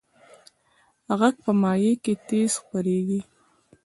غږ په مایع کې تیز خپرېږي.